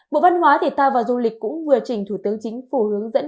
bộ văn hóa thể thao và du lịch cũng vừa trình thủ tướng chính phủ hướng dẫn